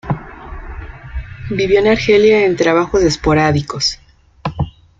Vivió en Argelia en trabajos esporádicos.